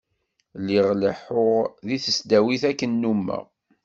Lliɣ leḥḥuɣ deg tesdawit akken nummeɣ.